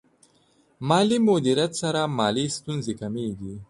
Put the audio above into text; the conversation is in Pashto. مالي مدیریت سره مالي ستونزې کمېږي.